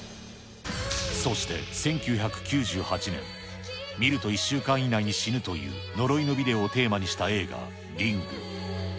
そして１９９８年、見ると１週間以内に死ぬという呪いのビデオをテーマにした映画、リング。